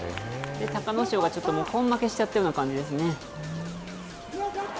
隆の勝が根負けしちゃったような感じですね。